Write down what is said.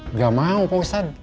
nggak mau pak ustaz